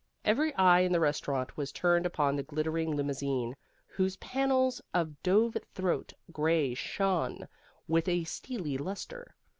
Every eye in the restaurant was turned upon the glittering limousine, whose panels of dove throat gray shone with a steely lustre.